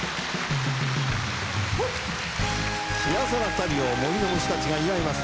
幸せな２人を森の虫たちが祝います。